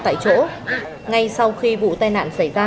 tại chỗ ngay sau khi vụ tai nạn xảy ra